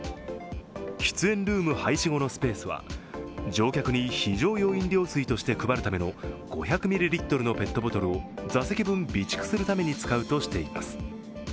喫煙ルーム廃止後のスペースは、乗客に非常用飲料水として配るための５００ミリリットルのペットボトルを座席分、備蓄するために使うとしています。